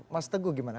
mas teguh gimana